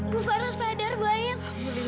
bu farah sadar baes